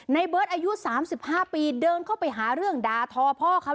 เบิร์ตอายุ๓๕ปีเดินเข้าไปหาเรื่องดาทอพ่อเขา